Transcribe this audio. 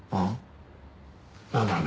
ああ？